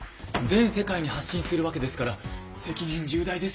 全世界に発信するわけですから責任重大ですよ。